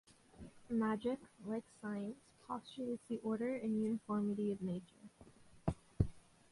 Magic, like science, postulates the order and uniformity of nature.